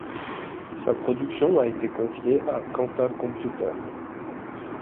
Sa production a été confiée à Quanta computer.